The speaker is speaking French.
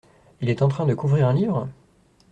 Il est en train de couvrir un livre ?